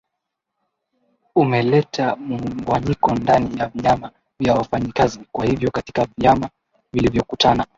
umeleta mugawanyiko ndani ya vyama vya wafanyikazi kwa hivyo katika vyama vilivyokutana